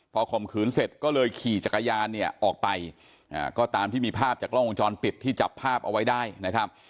พอข่มขืนเสร็จก็เลยขี่จักรยานเนี่ยออกไปก็ตามที่มีภาพจากกล้องวงจรปิดที่จับภาพเอาไว้ได้นะครับ